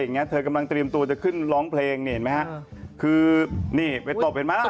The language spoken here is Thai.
เธอกำลังเตรียมตัวจะขึ้นร้องเพลงนี่เห็นไหมฮะคือนี่ไปตบเห็นไหม